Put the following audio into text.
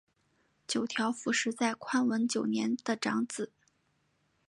九条辅实在宽文九年的长子。